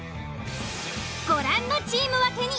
ご覧のチーム分けに。